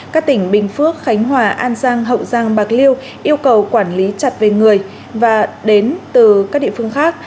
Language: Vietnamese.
các tỉnh bình phước khánh hòa an giang hậu giang bạc liêu yêu cầu quản lý chặt về người và đến từ các địa phương khác